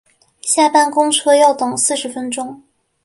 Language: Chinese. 下班公车要等四十分钟